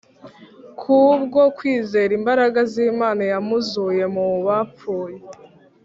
ku bwo kwizera imbaraga z’Imana yamuzuye mu bapfuye